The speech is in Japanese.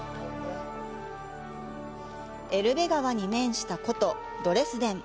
エルベ川に面した古都ドレスデン。